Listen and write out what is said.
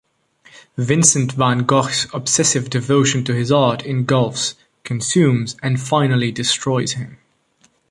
Vincent van Gogh's obsessive devotion to his art engulfs, consumes and finally destroys him.